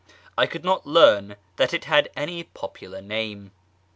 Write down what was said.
I could not learn that it had any popular name.